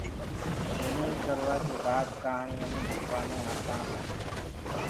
ٽرينگ ڪروآ ڪي باد ڪهانيونٚ مي لِکوآ مي آساني هوگئي۔